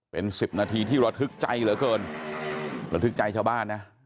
เป็นสิบนาทีที่ระทึกใจเหลือเกินระทึกใจชาวบ้านนะ